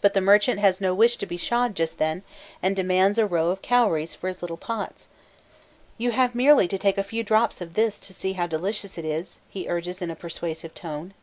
But the merchant has no wish to be shod just then, and demands a row of cowries for his little pots: "You have merely to take a few drops of this to see how delicious it is," he urges in a persuasive tone.